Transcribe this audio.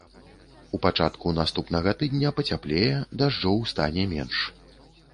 У пачатку наступнага тыдня пацяплее, дажджоў стане менш.